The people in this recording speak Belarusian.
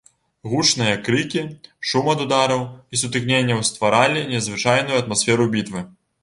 Гучныя крыкі, шум ад удараў і сутыкненняў стваралі незвычайную атмасферу бітвы.